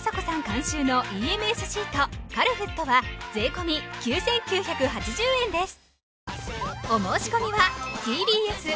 監修のＥＭＳシートカルフットは税込９９８０円です